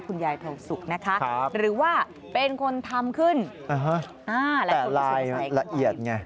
คุณยายโทษสุขนะคะหรือว่าเป็นคนทำขึ้นและคุณสงสัยแต่ลายละเอียดไง